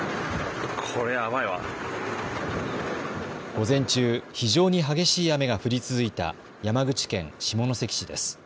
午前中、非常に激しい雨が降り続いた山口県下関市です。